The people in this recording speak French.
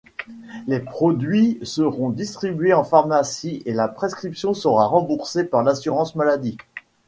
Les produits seront distribués en pharmacie et la prescription sera remboursée par l'assurance maladie.